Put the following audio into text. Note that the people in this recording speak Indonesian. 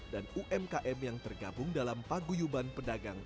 dan umkm yang tergabung dalam paguyuban pedagang mie dan bakso